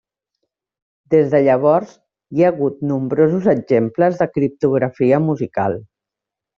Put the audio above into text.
Des de llavors hi ha hagut nombrosos exemples de criptografia musical.